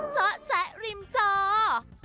เจาะแสะริมเจาะ